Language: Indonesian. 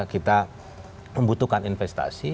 kita membutuhkan investasi